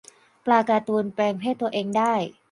ปลาการ์ตูน แปลงเพศตัวเองได้